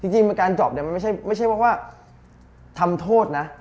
ที่จริงที่การดอปเนี่ยไม่ใช่เพราะว่าทำโทษนะ